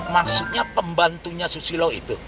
maksudnya pembantunya susilo itu